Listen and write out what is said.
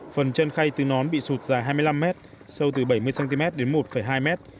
phần chân khay tư nón bị sụt dài hai mươi năm mét sâu từ bảy mươi cm đến một hai mét